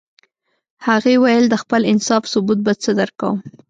هغې ویل د خپل انصاف ثبوت به څه درکوم